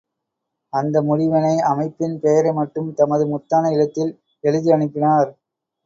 அந்த முடிவினை அமைப்பின் பெயரை மட்டும் தமது முத்தான எழுத்தில் எழுதி அனுப்பினார்!